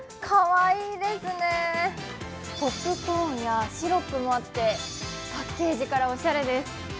ポップコーンやシロップもあってパッケージからおしゃれです。